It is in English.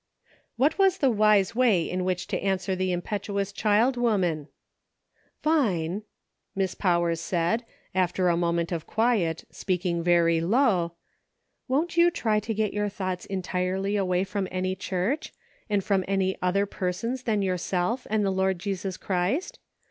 What was the wise way in which to answer the impetuous child woman ? "Vine," Miss Powers said, after a moment of quiet, speaking very low, " won't you try to get your thoughts entirely away from any church, and from any other persons than yourself and the Lord Jesus Christ